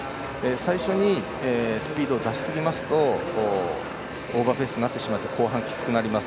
最初にスピードを出しすぎますとオーバーペースになってしまって後半がきつくなります。